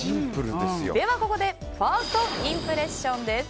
では、ここでファーストインプレッションです。